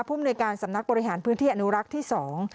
มนุยการสำนักบริหารพื้นที่อนุรักษ์ที่สอง